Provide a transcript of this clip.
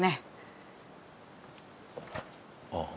ああ。